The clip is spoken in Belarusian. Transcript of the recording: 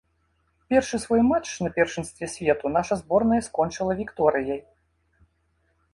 Першы свой матч на першынстве свету наша зборная скончыла вікторыяй.